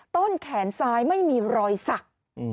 ต้นแขนซ้ายไม่มีรอยสัก